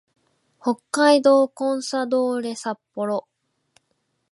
北海道コンサドーレ札幌